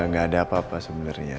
gak ada apa apa sebenernya